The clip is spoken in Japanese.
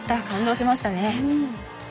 感動しましたね。